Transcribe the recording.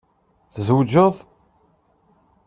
Tzewjeḍ?